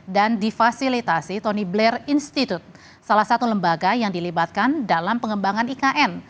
dan difasilitasi tony blair institute salah satu lembaga yang dilibatkan dalam pengembangan ikn